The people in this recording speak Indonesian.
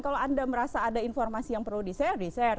kalau anda merasa ada informasi yang perlu di share di share